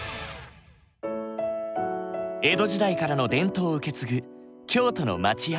江戸時代からの伝統を受け継ぐ京都の町家。